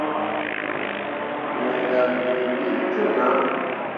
Me riak nii bill te nah.